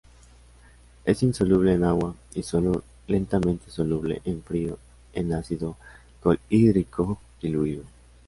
Es insoluble en agua y solo lentamente soluble en frío en ácido clorhídrico diluido.